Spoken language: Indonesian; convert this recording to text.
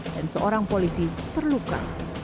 dan seorang polisi terluka